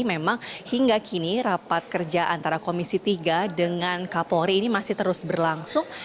memang hingga kini rapat kerja antara komisi tiga dengan kapolri ini masih terus berlangsung